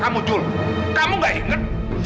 kamu jul kamu gak ingat